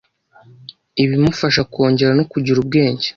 ibimufasha kongera no kugira ubwenge,